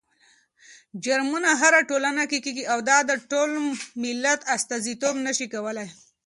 جرمونه هره ټولنه کې کېږي او دا د ټول ملت استازيتوب نه شي کولی.